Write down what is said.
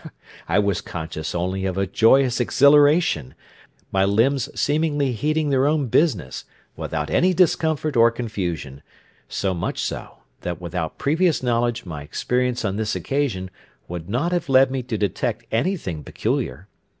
I was conscious only of a joyous exhilaration, my limbs seemingly heeding their own business, without any discomfort or confusion; so much so, that without previous knowledge my experience on this occasion would not have led me to detect anything peculiar.